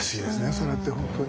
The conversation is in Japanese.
それって本当に。